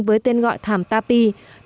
với tên gọi thảm tapie